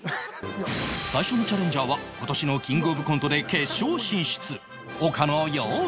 最初のチャレンジャーは今年のキングオブコントで決勝進出岡野陽一